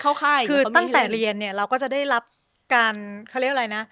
ค่ายคือตั้งแต่เรียนเนี่ยเราก็จะได้รับการเขาเรียกอะไรนะ